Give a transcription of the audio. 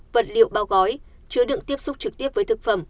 vật liệu bao gói chứa đựng tiếp xúc trực tiếp với thực phẩm